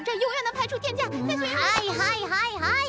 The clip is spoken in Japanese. はいはいはいはい！